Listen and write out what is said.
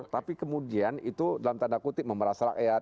tapi kemudian itu dalam tanda kutip memeras rakyat